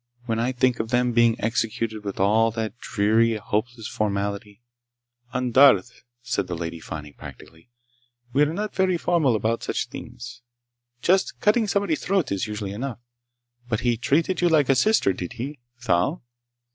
When I think of them being executed with all that dreadful, hopeless formality—" "On Darth," said the Lady Fani practically, "we're not very formal about such things. Just cutting somebody's throat is usually enough. But he treated you like a sister, did he? Thal?"